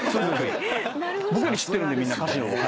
僕より知ってるんでみんな。